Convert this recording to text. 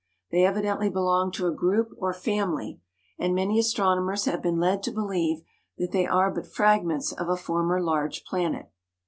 They evidently belong to a group or family, and many astronomers have been led to believe that they are but fragments of a former large planet.